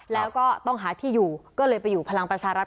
แล้วก็ต้องหาที่อยู่ก็เลยไปอยู่พลังประชารัฐ